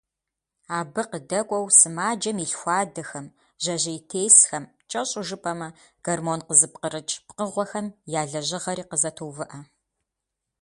Абы къыдэкӀуэу, сымаджэм и лъхуадэхэм, жьэжьейтесхэм, кӀэщӀу жыпӀэмэ, гормон къызыпкърыкӀ пкъыгъуэхэм я лэжьыгъэри къызэтоувыӀэ.